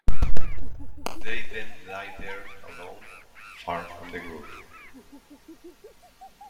They then die there alone, far from the group.